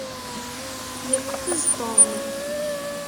Yeqfez Tom.